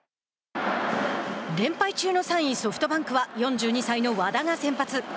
連敗中の３位ソフトバンクは４２歳の和田が先発。